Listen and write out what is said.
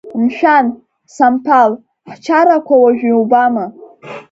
Мшәан, Самԥал, ҳчарақәа уажә иубама?